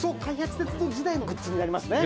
鉄道時代のグッズになりますね。